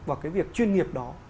vào cái việc chuyên nghiệp đó